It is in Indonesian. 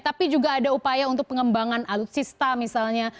tapi juga ada upaya untuk pengembangan alutsista misalnya